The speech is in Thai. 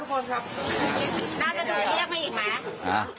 พักผ่อนนะครับทุกคน